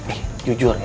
eh jujur ya